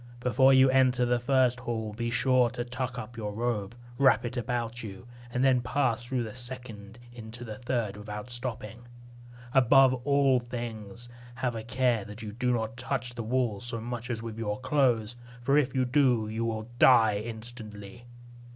Before you enter the first hall, be sure to tuck up your robe, wrap it about you, and then pass through the second into the third without stopping. Above all things, have a care that you do not touch the walls so much as with your clothes; for if you do, you will die instantly.